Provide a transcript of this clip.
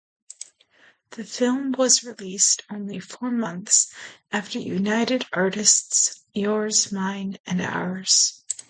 The film was released only four months after United Artists' "Yours, Mine and Ours".